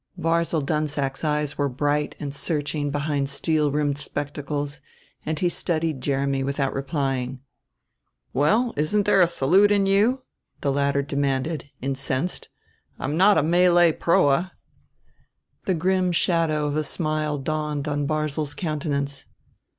Barzil Dunsack's eyes were bright and searching behind steel rimmed spectacles, and he studied Jeremy without replying. "Well, isn't there a salute in you?" the latter demanded, incensed. "I'm not a Malay proa." The grim shadow of a smile dawned on Barzil's countenance.